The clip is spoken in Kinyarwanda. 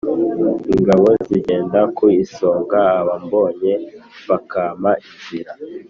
Ingabo nzigenda ku isonga abambonye bakampa inzira